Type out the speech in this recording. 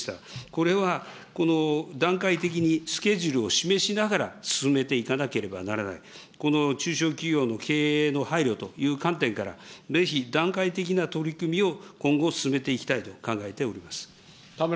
これはこの段階的にスケジュールを示しながら、進めていかなければならない、この中小企業の経営の配慮という観点から、ぜひ、段階的な取り組みを今後進めていきたいと考えております。